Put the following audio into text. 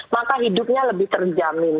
maka hidupnya lebih terjamin